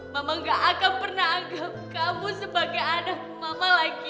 mama gak akan pernah anggap kamu sebagai anak mama lagi